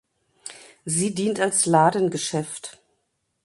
Sie dient als Ladengeschäft.